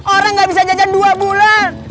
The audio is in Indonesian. orang nggak bisa jajan dua bulan